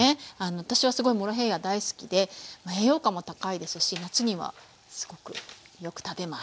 私はすごいモロヘイヤ大好きで栄養価も高いですし夏にはすごくよく食べます。